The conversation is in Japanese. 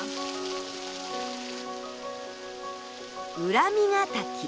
裏見ヶ滝。